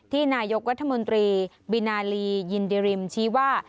ที่นายกวัฎธมนตรีบินนาลียินเดริมชี้ว่า